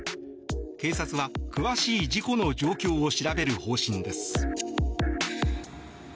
警察は詳しい事故の状況を調べる方針です。